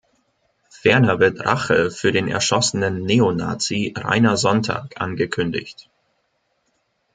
Ferner wird Rache für den erschossenen Neonazi Rainer Sonntag angekündigt.